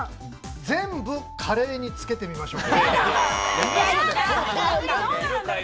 全部カレーにつけてみましょう。